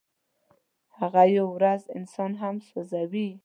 هغه یوه ورځ انسان هم سوځوي.